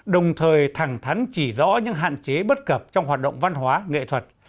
đồng thời thẳng thắn chỉ rõ những hạn chế bất cập trong hoạt động văn hóa nghệ thuật